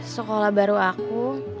sekolah baru aku